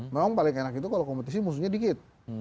memang paling enak itu kalau kompetisi musuhnya dikit